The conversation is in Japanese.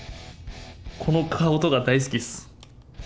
この顔とか大好きっす。